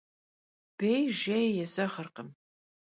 Bêy jjêy yêzeğırkhım.